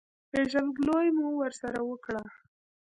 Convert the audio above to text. پېژندګلوي مو ورسره وکړه.